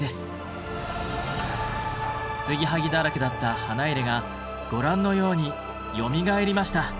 継ぎはぎだらけだった花入がご覧のようによみがえりました。